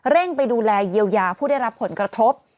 ไปดูแลเยียวยาผู้ได้รับผลกระทบ